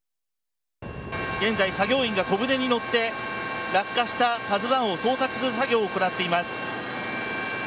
現在、作業員が小船に乗って落下した「ＫＡＺＵ１」を捜索する作業を行っています。